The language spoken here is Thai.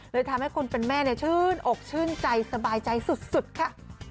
ทำให้คนเป็นแม่ชื่นอกชื่นใจสบายใจสุดค่ะ